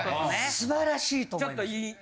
素晴らしいと思います。